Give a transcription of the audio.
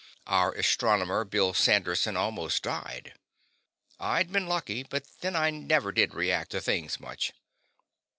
Our astronomer, Bill Sanderson, almost died. I'd been lucky, but then I never did react to things much.